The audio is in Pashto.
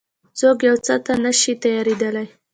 څوک يو څه ته نه شي تيارېدای.